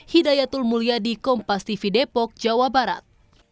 hidayatul mulyadi kompas tv depok jawa barat